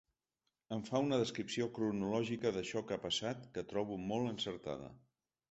Em fa una descripció cronològica d’això que ha passat que trobo molt encertada.